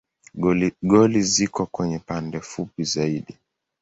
Goli ziko kwenye pande fupi zaidi.